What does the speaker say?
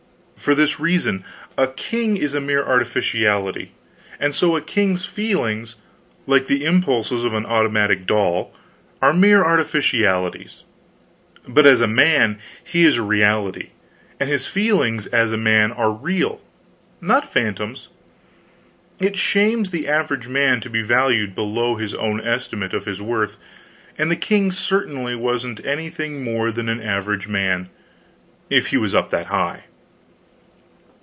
For this reason: a king is a mere artificiality, and so a king's feelings, like the impulses of an automatic doll, are mere artificialities; but as a man, he is a reality, and his feelings, as a man, are real, not phantoms. It shames the average man to be valued below his own estimate of his worth, and the king certainly wasn't anything more than an average man, if he was up that high.